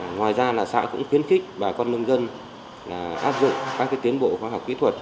ngoài ra xã cũng khuyến khích bà con nông dân áp dụng các tiến bộ khoa học kỹ thuật